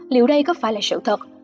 liệu đây có phải là sự thật